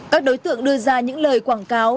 các đối tượng đưa ra những lời quảng cáo